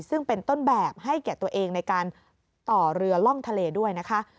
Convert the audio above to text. ซึ่งเป็นต้นแบบให้แก่ตัวเองในการต่อเรือล่องทะเลด้วยนะคะ